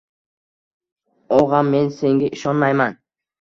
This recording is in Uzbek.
– Og‘am, men senga inonmayman